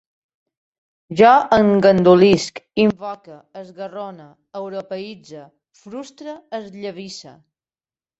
Jo engandulisc, invoque, esgarrone, europeïtze, frustre, esllavisse